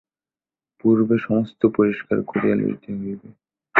পূর্বে সমস্ত পরিস্কার করিয়া লইতে হইবে।